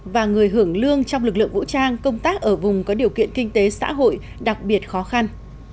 và người hưởng lương trong lực lượng vũ trang công tác ở vùng có điều kiện kinh tế xã hội đặc biệt khó khăn